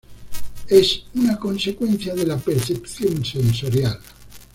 Es una consecuencia de la percepción sensorial.